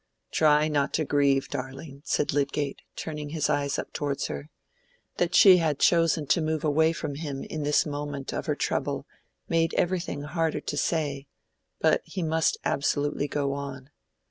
"Try not to grieve, darling," said Lydgate, turning his eyes up towards her. That she had chosen to move away from him in this moment of her trouble made everything harder to say, but he must absolutely go on.